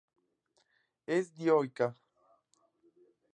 Es dioica.